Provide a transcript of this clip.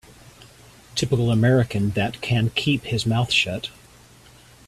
Typical American that can keep his mouth shut.